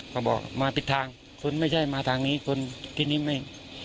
เขาบอกมาปิดทางคนไม่ใช่มาทางนี้คนที่นี้ไม่